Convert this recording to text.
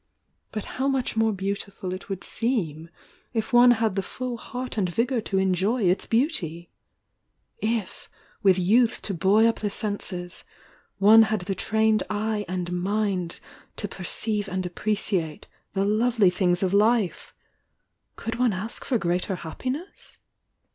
— but how much 214 THE YOUNG DIANA more beautiful it would seem if one had the full heart and vigour to enjoy ita beauty I If, with youth to buoy up the senses, one had the trained eye and mind to perceive and appreciate the lovely things of life I — could one ask for greater happiness?